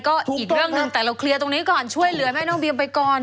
ก็อีกเรื่องหนึ่งแต่เราเคลียร์ตรงนี้ก่อนช่วยเหลือแม่น้องบีมไปก่อน